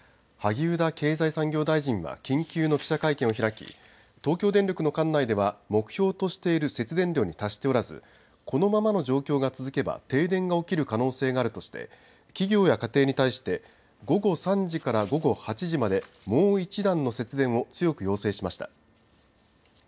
萩生田経済産業大臣は緊急の記者会見を開き、東京電力の管内では目標としている節電量に達しておらずこのままの状況が続けば停電が起きる可能性があるとして企業や家庭に対して午後３時から午後８時までもう一段の節電を強く要請しました。